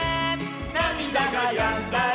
「なみだがやんだら」